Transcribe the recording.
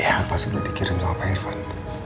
apa sih yang dikirim sama pak irfan